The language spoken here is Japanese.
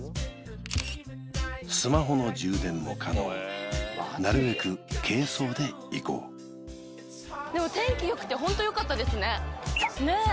スマホの充電も可能なるべく軽装で行こうでも天気よくてホントよかったですねねえ